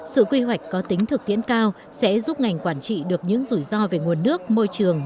sự quy hoạch có tính thực tiễn cao sẽ giúp ngành quản trị được những rủi ro về nguồn nước môi trường